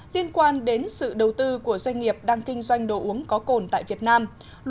liên quan đến sự đầu tư của doanh nghiệp đang kinh doanh đồ uống có cồn tại việt nam